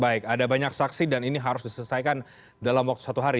baik ada banyak saksi dan ini harus diselesaikan dalam waktu satu hari